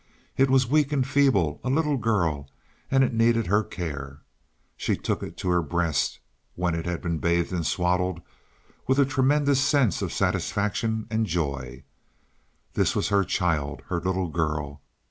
It was weak and feeble—a little girl, and it needed her care. She took it to her breast, when it had been bathed and swaddled, with a tremendous sense of satisfaction and joy. This was her child, her little girl.